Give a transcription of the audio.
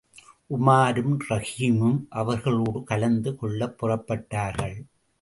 உமாரும், ரஹீமும் அவர்களோடு கலந்து கொள்ளப் புறப்பட்டார்கள்.